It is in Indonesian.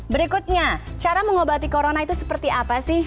berikutnya cara mengobati corona itu seperti apa sih